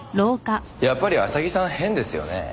やっぱり浅木さん変ですよね？